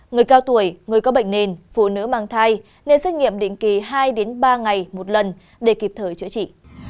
người cao tuổi người có bệnh nền phụ nữ mang thai nên xét nghiệm định kỳ hai ba ngày một lần để kịp thời chữa trị